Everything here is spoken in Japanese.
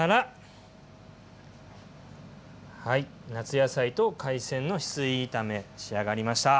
夏野菜と海鮮の翡翠炒め仕上がりました。